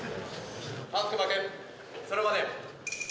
反則負け、それまで。